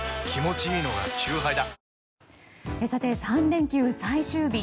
３連休最終日。